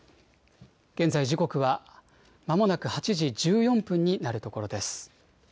現在、時刻はまもなく８時１４分になるところです。